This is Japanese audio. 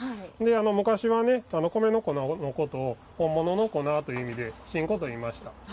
昔は、米の粉のことを本物の粉という意味で真粉といいました。